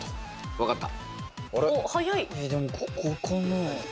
分かった。